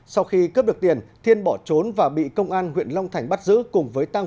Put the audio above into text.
sau khi cướp được tiền thiên bỏ trốn và bị công an huyện long thành bắt giữ